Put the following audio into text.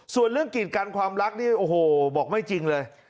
ส่วนเรื่องกิจกันความรักนี่โอ้โหบอกไม่จริงเลย